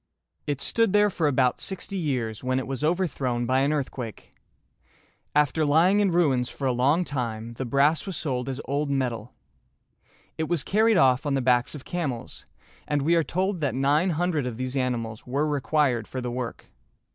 It stood there for about sixty years, when it was overthrown by an earthquake. After lying in ruins for a long time, the brass was sold as old metal. It was carried off on the backs of camels, and we are told that nine hundred of these animals were required for the work.